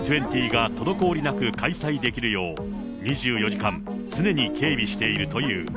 Ｇ２０が滞りなく開催できるよう、２４時間常に警備しているという。